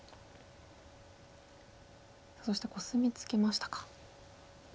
そしてコスミツケましたか。